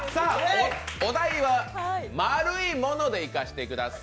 お題は、丸いものでいかせてください。